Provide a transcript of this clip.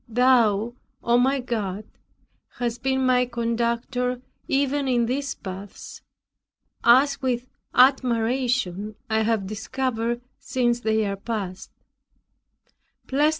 Thou, O my God, hast been my conductor even in these paths, as with admiration I have discovered since they are past.